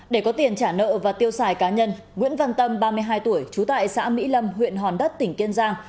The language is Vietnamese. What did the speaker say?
để có tiền trả nợ và tiêu xài cá nhân nguyễn văn tâm ba mươi hai tuổi trú tại xã mỹ lâm huyện hòn đất tỉnh kiên giang